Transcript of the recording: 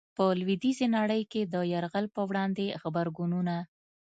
په لويديځي نړۍ کي د يرغل په وړاندي غبرګونونه